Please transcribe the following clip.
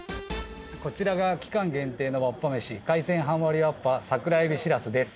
こちらが期間限定のわっぱ飯海鮮半割わっぱ桜えびしらすです。